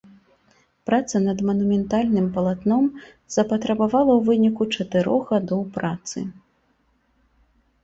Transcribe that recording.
Праца над манументальным палатном запатрабавала ў выніку чатырох гадоў працы.